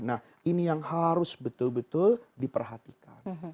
nah ini yang harus betul betul diperhatikan